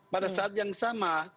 pada saat yang sama